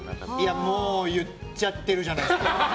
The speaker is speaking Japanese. もう言っちゃってるじゃないですか。